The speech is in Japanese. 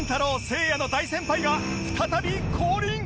せいやの大先輩が再び降臨！